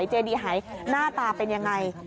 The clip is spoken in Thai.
เจดีหายหน้าตาเป็นยังไง